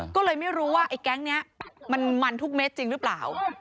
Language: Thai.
ก็เลยไม่รู้ว่าไอ้แก๊งนี้มันทุกเม็ดจริงหรือเปล่า